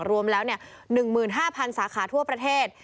รวมแล้ว๑๕๐๐สาขาทั่วประเทศ